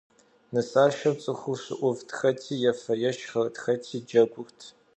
Нысашэм цӀыхур щыӀувт, хэти ефэ-ешхэрт, хэти джэгурт.